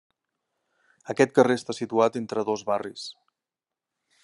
Aquest carrer està situat entre dos barris: